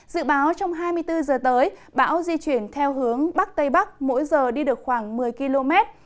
dự báo trong hai mươi bốn giờ tới bão di chuyển theo hướng bắc tây bắc mỗi giờ đi được khoảng một mươi km